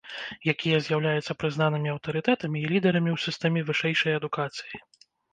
Якія з'яўляюцца прызнанымі аўтарытэтамі і лідарамі ў сістэме вышэйшай адукацыі.